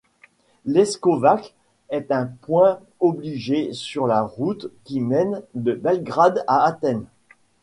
Leskovac est un point obligé sur la route qui mène de Belgrade à Athènes.